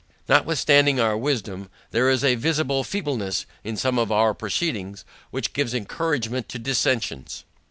Notwithstanding our wisdom, there is a visible feebleness in some of our proceedings which gives encouragement to dissentions.